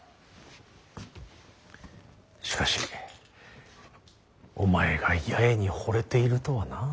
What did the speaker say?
しかしお前が八重にほれているとはな。